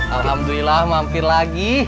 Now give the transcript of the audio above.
alhamdulillah mampir lagi